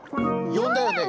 よんだよね？